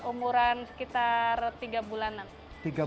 umuran sekitar tiga bulanan